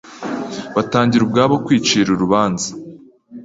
Batangira ubwabo kwicira urubanza